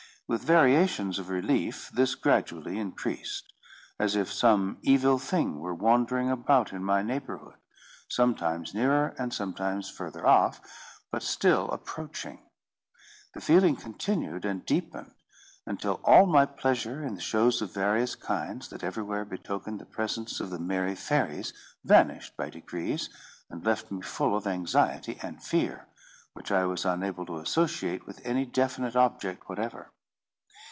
With variations of relief, this gradually increased; as if some evil thing were wandering about in my neighbourhood, sometimes nearer and sometimes further off, but still approaching. The feeling continued and deepened, until all my pleasure in the shows of various kinds that everywhere betokened the presence of the merry fairies vanished by degrees, and left me full of anxiety and fear, which I was unable to associate with any definite object whatever.